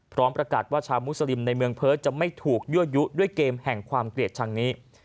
พร้อมประกาศว่าชาวมุสลิมในเมืองเพิร์ตจะไม่ถูกยั่วยุด้วยเกมแห่งความเกลียดชังนี้